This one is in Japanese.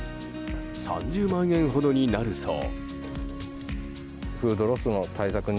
３０万円ほどになるそう。